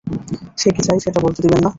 সে কি চায় সেটা বলতে দিবেন না?